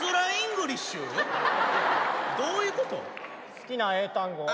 好きな英単語は。